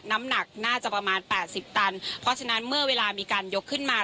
น้ำหนักน่าจะประมาณแปดสิบตันเพราะฉะนั้นเมื่อเวลามีการยกขึ้นมา